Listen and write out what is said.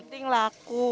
yang penting laku